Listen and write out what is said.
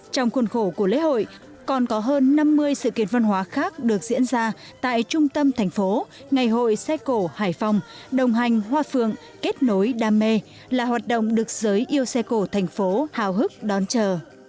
trong khuôn khổ của lễ hội còn có hơn năm mươi sự kiện văn hóa khác được diễn ra tại trung tâm thành phố ngày hội xe cổ hải phòng đồng hành hoa phượng kết nối đam mê là hoạt động được giới yêu xe cổ thành phố hào hức đón chờ